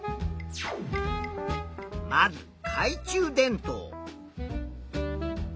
まずかい中電灯。